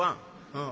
「うん」。